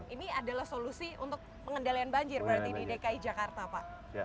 ini adalah solusi untuk pengendalian banjir berarti di dki jakarta pak